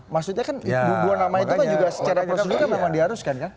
maksudnya kan dua nama itu kan secara prosedural memang diharuskan kan